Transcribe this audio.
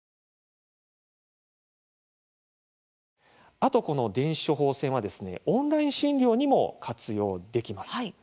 あと、この電子処方箋はオンライン診療にも活用できます。